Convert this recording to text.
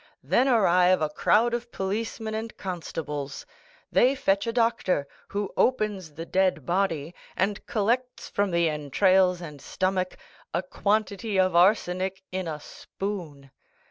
Then arrive a crowd of policemen and constables. They fetch a doctor, who opens the dead body, and collects from the entrails and stomach a quantity of arsenic in a spoon.